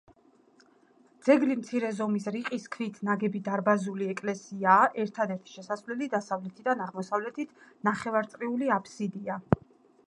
ძეგლი მცირე ზომის, რიყის ქვით ნაგები, დარბაზული ეკლესიაა, ერთადერთი შესასვლელით დასავლეთიდან აღმოსავლეთით ნახევარწრიული აფსიდია.